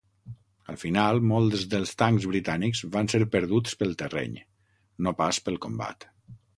Al final, molts dels tancs britànics van ser perduts pel terreny, no pas pel combat.